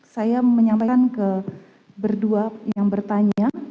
saya menyampaikan ke berdua yang bertanya